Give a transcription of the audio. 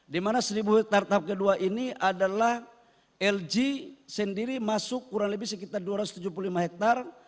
di mana seribu hektare tahap kedua ini adalah lg sendiri masuk kurang lebih sekitar dua ratus tujuh puluh lima hektare